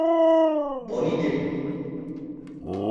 Bonne idée!